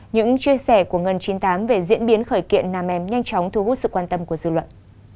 những chia sẻ của ngân chín mươi tám về diễn biến khởi kiện nam em nhanh chóng thu hút sự quan tâm của dư luận